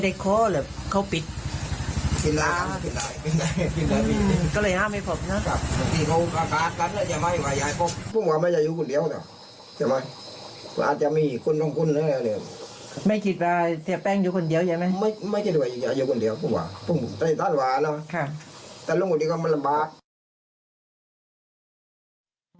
ไม่คิดว่าอยู่คนเดียวแต่ละหมดนี้ก็มันลำบาก